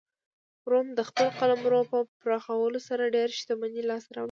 روم د خپل قلمرو په پراخولو سره ډېره شتمني لاسته راوړه